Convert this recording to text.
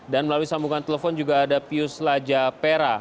dan melalui sambungan telepon juga ada pius laja pera